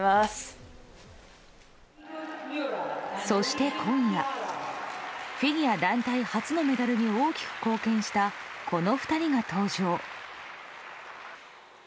そして、今夜フィギュア団体初のメダルに大きく貢献したこの２人が登場。